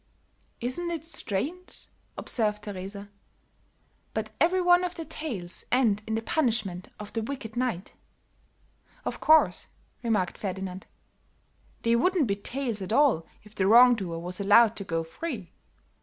"Isn't it strange," observed Teresa, "but every one of the tales end in the punishment of the wicked knight." "Of course," remarked Ferdinand. "They wouldn't be tales at all if the wrong doer was allowed to go free.